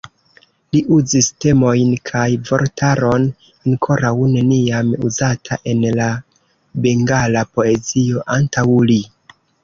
Li uzis temojn kaj vortaron ankoraŭ neniam uzata en la bengala poezio antaŭ li.